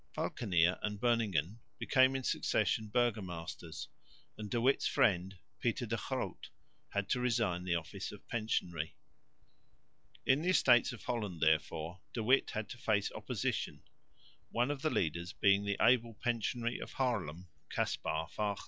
Valckenier and Beuningen became in succession burgomasters; and De Witt's friend, Pieter de Groot, had to resign the office of pensionary. In the Estates of Holland, therefore, De Witt had to face opposition, one of the leaders being the able Pensionary of Haarlem, Caspar Fagel.